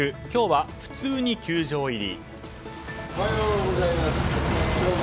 今日は普通に球場入り。